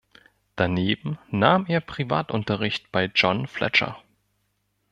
Daneben nahm er Privatunterricht bei John Fletcher.